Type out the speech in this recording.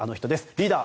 リーダー